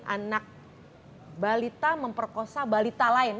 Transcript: anak balita memperkosa balita lain